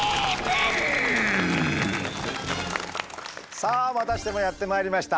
さあまたしてもやってまいりました。